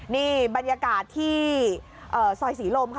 นี่บรรยากาศที่ซอยศรีลมค่ะ